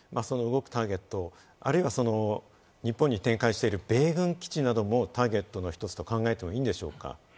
動くターゲット、あるいは日本に展開している米軍基地などをターゲットの１つとしても考えていいんでしょうか？